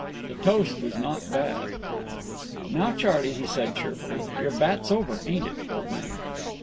The toast was not bad. "Now, Charley," he said, cheerfully, "your bat's over, ain't it, old man?"